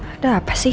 ada apa sih